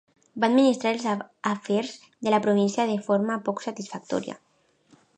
Va administrar els afers de la província de forma poc satisfactòria.